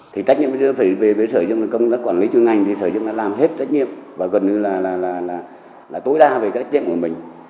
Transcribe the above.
thì trách nhiệm về sở dụng công tác quản lý chuyên ngành thì sở dụng đã làm hết trách nhiệm và gần như là tối đa về trách nhiệm của mình